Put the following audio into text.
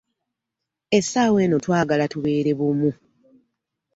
Essaawa eno twagala tubeere bumu.